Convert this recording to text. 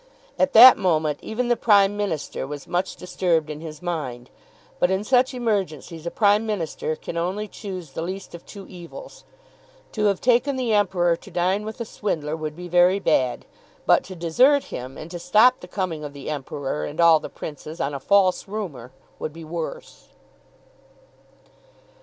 At that moment even the Prime Minister was much disturbed in his mind; but in such emergencies a Prime Minister can only choose the least of two evils. To have taken the Emperor to dine with a swindler would be very bad; but to desert him, and to stop the coming of the Emperor and all the Princes on a false rumour, would be worse.